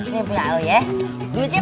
nih punya lo ya